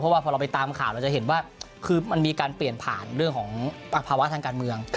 เพราะว่าพอเราไปตามข่าวเราจะเห็นว่าคือมันมีการเปลี่ยนผ่านเรื่องของภาวะทางการเมือง